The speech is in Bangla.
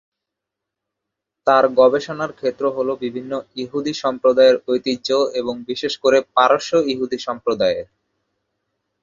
তার গবেষণার ক্ষেত্র হল বিভিন্ন ইহুদি সম্প্রদায়ের ঐতিহ্য এবং বিশেষ করে পারস্য ইহুদি সম্প্রদায়ের।